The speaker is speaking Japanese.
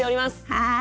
はい。